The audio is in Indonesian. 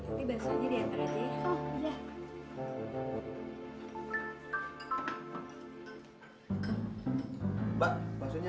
nanti bensu aja diantara aja ya